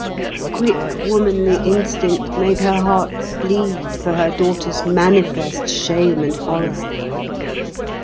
Quick womanly instinct made her heart bleed for her daughter's manifest shame and horror.